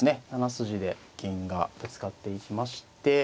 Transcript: ７筋で銀がぶつかっていきまして。